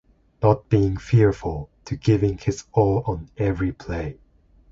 Not being fearful, to giving his all on every play.